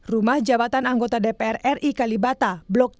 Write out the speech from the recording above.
rumah jabatan anggota dpr rki kalibata blok a dan b